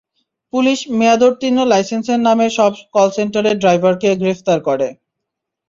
Police মেয়াদোত্তীর্ণ লাইসেন্সের নামে সব কল সেন্টারের ড্রাইভারকে গ্রেফতার করে।